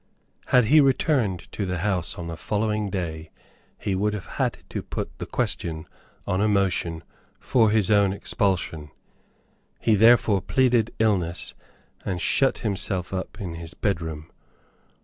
Had he returned to the House on the following day, he would have had to put the question on a motion for his own expulsion. He therefore pleaded illness, and shut himself up in his bedroom.